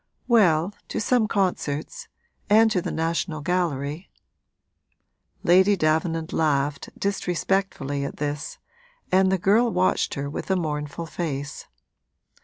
'Well, to some concerts and to the National Gallery.' Lady Davenant laughed, disrespectfully, at this, and the girl watched her with a mournful face.